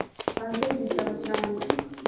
hanze y'igitabo cyanjye